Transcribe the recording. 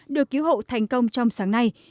được cứu hộ thành công trong sáng nay